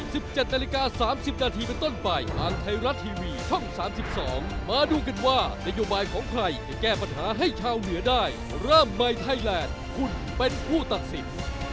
สำหรับภูมิวัยไทยและคุณเป็นผู้ตัดสิน